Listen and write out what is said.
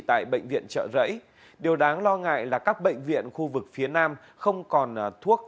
tại bệnh viện trợ rẫy điều đáng lo ngại là các bệnh viện khu vực phía nam không còn thuốc